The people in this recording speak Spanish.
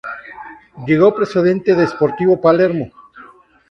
Llegó procedente de Sportivo Palermo.